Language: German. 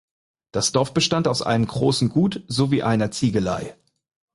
Das Dorf bestand aus einem großen Gut sowie einer Ziegelei.